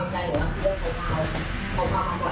ในความรักใจของนักธุรกิจเขาเขากลับมาปลอดภัย